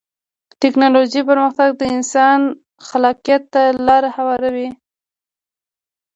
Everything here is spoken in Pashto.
د ټکنالوجۍ پرمختګ د انسان خلاقیت ته لاره هواروي.